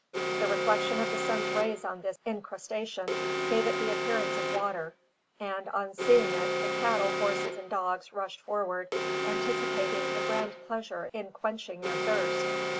The reflection of the sun's rays on this incrustation gave it the appearance of water; and, on seeing it, the cattle, horses, and dogs rushed forward, anticipating a grand pleasure in quenching their thirst.